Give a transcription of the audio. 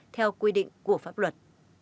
theo quy định của pháp luật